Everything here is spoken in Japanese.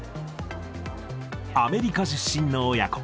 アメリカ出身の親子。